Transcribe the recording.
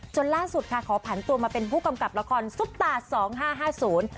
ล่าสุดค่ะขอผันตัวมาเป็นผู้กำกับละครซุปตาสองห้าห้าศูนย์